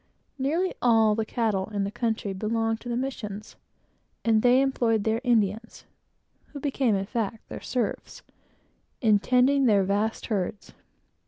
Nearly all the cattle in the country belonged to the missions, and they employed their Indians, who became, in fact, their slaves, in tending their vast herds.